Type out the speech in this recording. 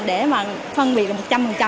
để mà phân biệt một trăm linh